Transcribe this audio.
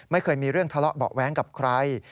ไม่เคยมีเรื่องทะเลาะเบาะแว้งกับใคร